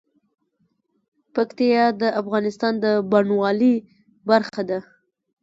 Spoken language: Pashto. پکتیا د افغانستان د بڼوالۍ برخه ده.